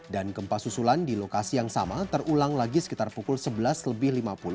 gempa susulan di lokasi yang sama terulang lagi sekitar pukul sebelas lebih lima puluh